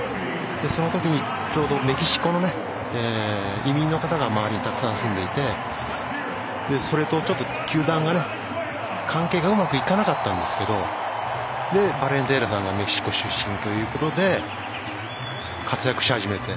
そのときに、ちょうどメキシコの移民の方が周りにたくさん住んでいてそれと、球団が関係がうまくいかなかったんですがバレンズエラさんがメキシコ出身ということで活躍し始めて。